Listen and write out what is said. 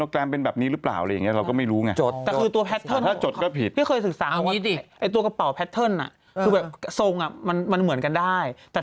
เขามีตำรวจยี่ห้อเขามีตำรวจแบลน์เนมอยู่